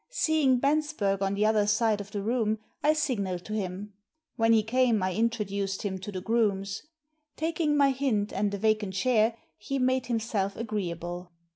Seeing Bensberg on the other side of the room, I signalled to him. When he came I introduced him to the Groomes. Taking my hint, and a vacant chair, he made him self agreeable.